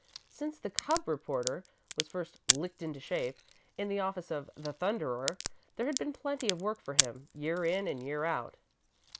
Since the "cub reporter" was first "licked into shape" in the office of The Thunderer, there had been plenty of work for him, year in and year out.